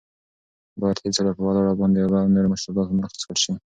باید هېڅکله په ولاړه باندې اوبه او نور مشروبات ونه څښل شي.